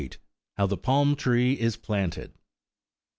HOW THE PALM TREE IS PLANTED.